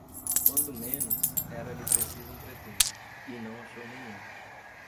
Quando menos, era-lhe preciso um pretexto, e não achou nenhum.